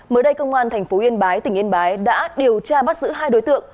mới đây công an tp yên bái tỉnh yên bái đã điều tra bắt giữ hai đối tượng